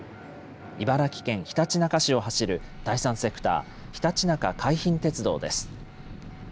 茨城県ひたちなか市を走る第三セクター、ひたちなか海浜鉄道です。